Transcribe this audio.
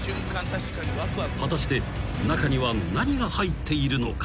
［果たして中には何が入っているのか？］